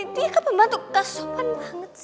dia kepembatu kasopan banget sih